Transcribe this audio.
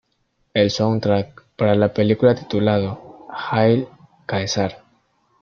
El soundtrack para la película, titulado "Hail Caesar!